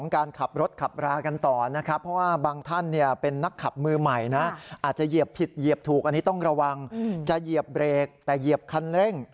การขับรถขับรากันต่อนะครับเพราะว่าบางท่านเป็นนักขับมือใหม่นะอาจจะเหยียบผิดเหยียบถูกอันนี้ต้องระวังจะเหยียบเบรกแต่เหยียบคันเร่ง